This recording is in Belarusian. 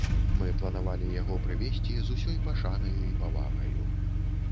Мы планавалі яго прывезці з усёй пашанаю і павагаю.